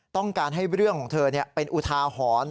ต้องการให้เรื่องของเธอเนี่ยเป็นอุทาหอน